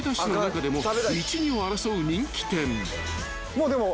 もうでも。